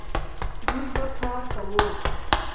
موږ به کار کوو.